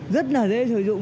rất là dễ sử dụng